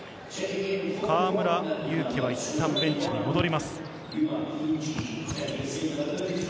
河村勇輝はいったんベンチに戻ります。